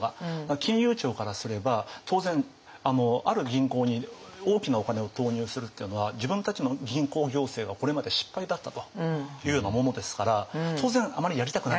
金融庁からすれば当然ある銀行に大きなお金を投入するっていうのは自分たちの銀行行政はこれまで失敗だったというようなものですから当然あまりやりたくないんですね。